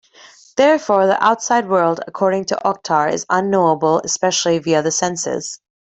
Therefore the outside world, according to Oktar, is unknowable, especially via the senses.